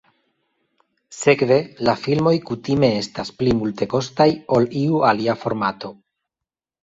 Sekve, la filmoj kutime estas pli multekostaj ol iu alia formato.